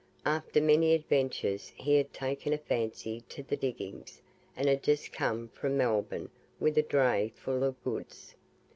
After many adventures he had taken a fancy to the diggings, and had just come from Melbourne with a dray full of goods.